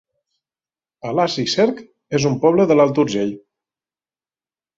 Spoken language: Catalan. Alàs i Cerc es un poble de l'Alt Urgell